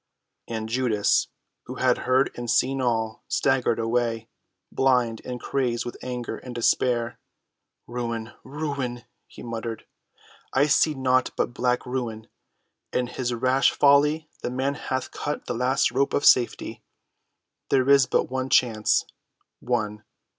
And Judas, who had heard and seen all, staggered away, blind and crazed with anger and despair. "Ruin—ruin!" he muttered. "I see naught but black ruin! In his rash folly the man hath cut the last rope of safety. There is but one chance—one.